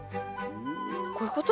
こういうこと？